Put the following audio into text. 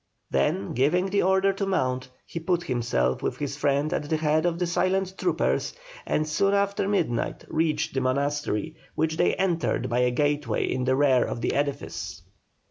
Then, giving the order to mount, he put himself with his friend at the head of the silent troopers, and soon after midnight reached the monastery, which they entered by a gateway in the rear of the edifice.